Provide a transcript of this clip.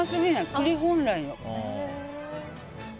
栗本来の。